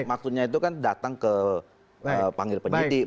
maksudnya itu kan datang ke panggil penyidik